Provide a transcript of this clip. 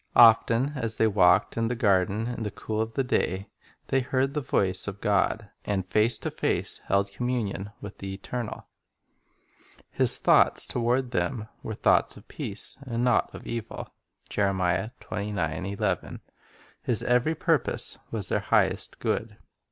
Often as they walked in the garden in the cool of the day they heard the voice of God, and face to face held communion with the Eternal. His thoughts toward them were "thoughts of peace, and not of evil." 2 His every purpose was their highest good.